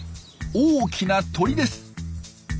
大きな鳥です。